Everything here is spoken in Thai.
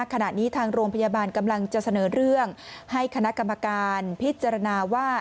ขณะนี้ทางโรงพยาบาลกำลังจะเสนอเรื่องให้คณะกรรมการพิจารณาว่า